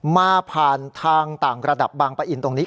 มาผ่านทางต่างระดับบางปะอินตรงนี้